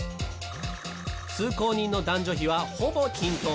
通行人の男女比はほぼ均等。